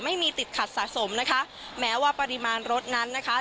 ไม่มีติดขัดสะสมนะคะแม้ว่าปริมาณรถนั้นนะคะ